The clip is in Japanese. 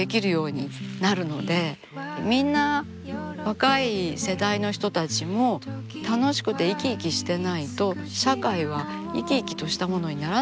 みんな若い世代の人たちも楽しくて生き生きしてないと社会は生き生きとしたものにならないと思うんですよね。